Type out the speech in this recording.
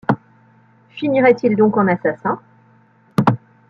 Finirait-il donc en assassin ?